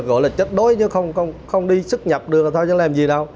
gọi là chết đối chứ không đi xức nhập được thì thôi chẳng làm gì đâu